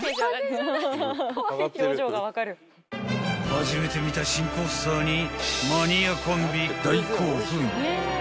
［初めて見た新コースターにマニアコンビ］